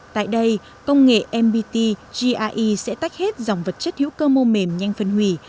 tại đây công nghệ mbt gie sẽ tách hết dòng vật chất hữu cơ mô mềm nhanh phân hủy